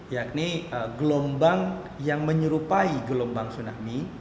yakni gelombang yang menyerupai gelombang tsunami